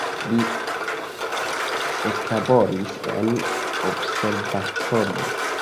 Li eklaboris en observatorio.